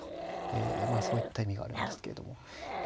そういった意味があるんですけども。